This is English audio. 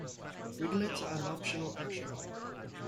Winglets are an optional extra.